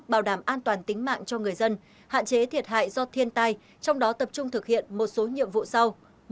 bảo đảm an toàn tính mạng cho người dân hạn chế thiệt hại do thiên tai trong đó tập trung thực hiện một số nhiệm vụ sau